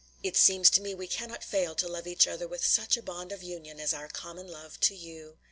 It seems to me we cannot fail to love each other with such a bond of union as our common love to you."